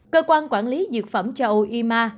cơ quan quản lý dược phẩm châu âu ima